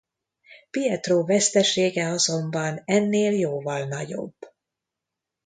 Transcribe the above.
Pietro vesztesége azonban ennél jóval nagyobb.